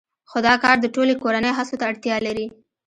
خو دا کار د ټولې کورنۍ هڅو ته اړتیا لري